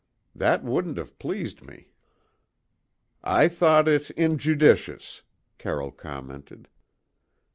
"That wouldn't have pleased me." "I thought it injudicious," Carroll commented.